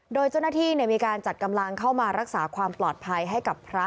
โดยเจ้าหน้าที่มีการจัดกำลังเข้ามารักษาความปลอดภัยให้กับพระ